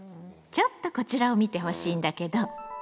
ちょっとこちらを見てほしいんだけど。